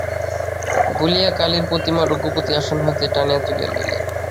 বলিয়া কালীর প্রতিমা রঘুপতি আসন হইতে টানিয়া তুলিয়া লইলেন।